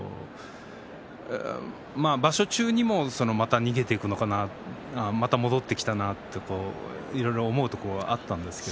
場所中にもまた逃げていくのかなと戻ってきたなといろいろ思うところもあったんですけど。